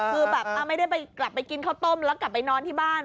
คือแบบไม่ได้ไปกลับไปกินข้าวต้มแล้วกลับไปนอนที่บ้าน